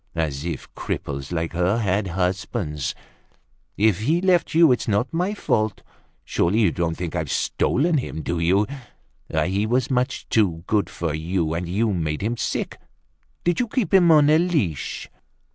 As if cripples like her had husbands! If he's left you it's not my fault. Surely you don't think I've stolen him, do you? He was much too good for you and you made him sick. Did you keep him on a leash?